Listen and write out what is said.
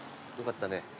よかったね。